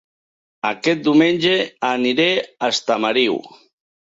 Aquest diumenge aniré a Estamariu